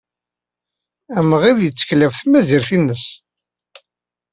Amɣid yettkel ɣef tmazirt-nnes.